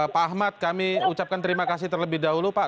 pak ahmad kami ucapkan terima kasih terlebih dahulu pak